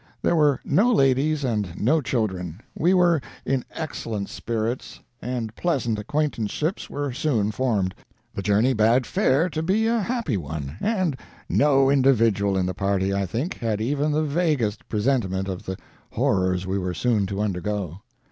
There were no ladies and no children. We were in excellent spirits, and pleasant acquaintanceships were soon formed. The journey bade fair to be a happy one; and no individual in the party, I think, had even the vaguest presentiment of the horrors we were soon to undergo.